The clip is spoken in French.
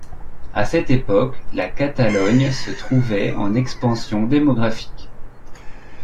À cette époque la Catalogne se trouvait en expansion démographique.